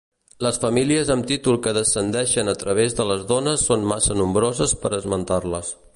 Les famílies amb títol que descendeixen a través de les dones són massa nombroses per esmentar-les.